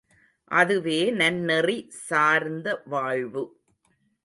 அதுவே நன்னெறி சார்ந்த வாழ்வு.